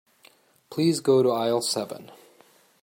Please go to aisle seven.